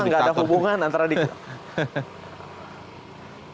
pertama tidak ada hubungan antara diktator